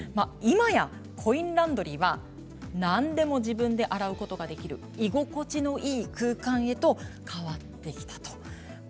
今やコインランドリーは何でも自分で洗うことができる居心地のいい空間へと変わってきたと。